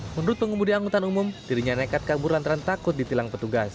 menurut pengumum di angkutan umum dirinya nekat kabur lantaran takut di tilang petugas